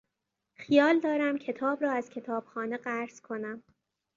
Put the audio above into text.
خیال دارم کتاب را از کتابخانه قرض کنم.